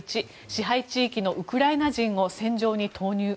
１支配地域のウクライナ人を戦場に投入。